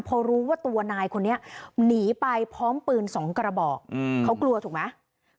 พอรู้ว่าตัวนายคนนี้หนีไปพร้อมปืน๒กระบอกเขากลัวถูกไหม